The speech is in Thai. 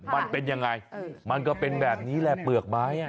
มันเป็นยังไงมันก็เป็นแบบนี้แหละเปลือกไม้